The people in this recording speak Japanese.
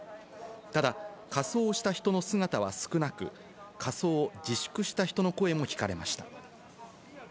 ただ、仮装した人の姿は少なく、仮装を自粛した人の声も聞かれました。